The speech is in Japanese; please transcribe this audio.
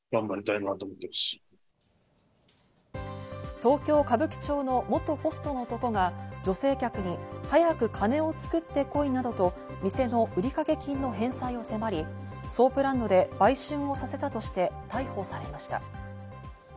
東京・歌舞伎町の元ホストの男が、女性客に、早く金を作ってこいなどと店の売掛金の返済を迫り、ソープランドで売春をさせたとして逮捕されました。